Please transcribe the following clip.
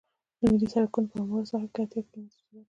ملي سرکونه په همواره ساحه کې د اتیا کیلومتره سرعت لري